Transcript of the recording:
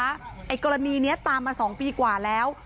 ไอ้กรณีนี้ตามมา๒ปีกว่าแล้ว